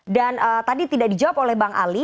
dan tadi tidak dijawab oleh bang ali